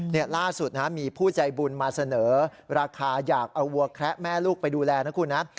นี่ล่าสุดนะมีผู้ใจบุญมาเสนอราคาอยากเอาวัวแคระแม่ลูกไปดูแลนะคุณนะ